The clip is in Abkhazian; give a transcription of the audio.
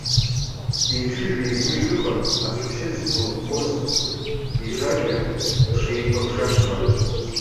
Деихьыжә-еикәыжә дыҟан, ацәашьы злыкәкәоз ижакьа бжеиқәа-бжашлан.